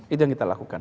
itu yang kita lakukan